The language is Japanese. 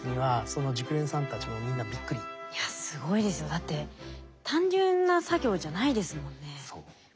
だって単純な作業じゃないですもんね。